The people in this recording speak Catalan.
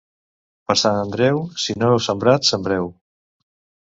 Per Sant Andreu, si no heu sembrat sembreu.